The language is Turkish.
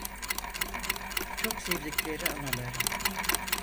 Çok sevdikleri anaları…